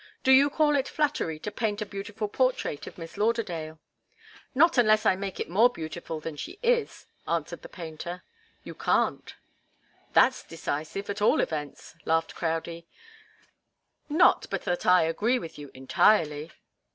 Do you call it flattery to paint a beautiful portrait of Miss Lauderdale?" "Not unless I make it more beautiful than she is," answered the painter. "You can't." "That's decisive, at all events," laughed Crowdie. "Not but that I agree with you, entirely."